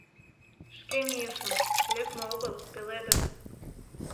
Шке мийышым, лекме огыл, пеледын.